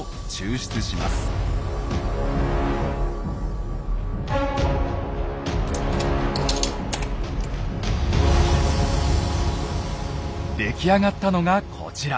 出来上がったのがこちら。